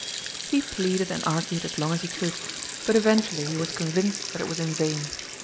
He pleaded and argued as long as he could, but eventually he was convinced that it was in vain.